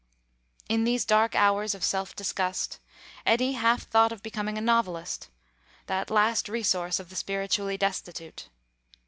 In these dark hours of self disgust, Eddy half thought of becoming a novelist, that last resource of the spiritually destitute.